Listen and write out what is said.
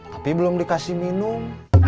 tapi belum dikasih minum